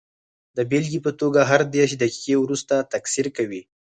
د بېلګې په توګه هر دېرش دقیقې وروسته تکثر کوي.